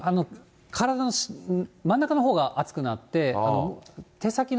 体の真ん中のほうが熱くなって、手先の。